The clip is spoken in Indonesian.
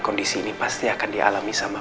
kondisi ini pasti akan dialami sama